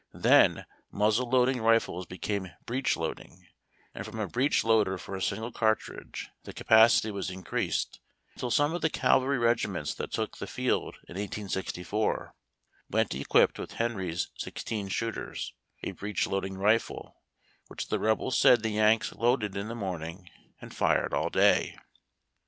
Then, muzzle loading rifles became breech loading ; and from a breech loader for a single cartridge the capacity was in creased, until some of the cavalry regiments that took the field in 1864 went equipped with Henry's sixteen shooters, a breech loading rifle, which the Rebels said the Yanks loaded in the morning and fired all day.